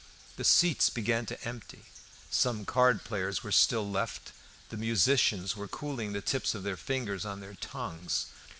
The seats began to empty, some card players were still left; the musicians were cooling the tips of their fingers on their tongues.